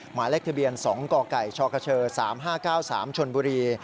หมายเลขทะเบียน๒กกชคช๓๕๙๓ชนบุรี